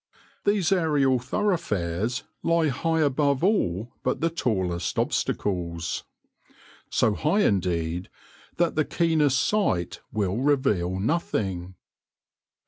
These aerial thoroughfares lie high above all but the tallest obstacles, so high indeed that the keenest sight will reveal nothing.